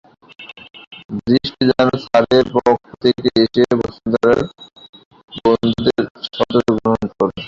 বৃষ্টি যেন স্যারের পক্ষ থেকে এসে বন্ধুসভার বন্ধুদের সাদরে গ্রহণ করে নিল।